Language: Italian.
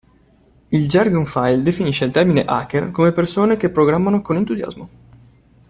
Il Jargon File definisce il termine hacker come persone che programmano con entusiasmo.